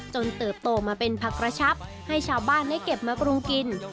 เติบโตมาเป็นผักกระชับให้ชาวบ้านได้เก็บมาปรุงกิน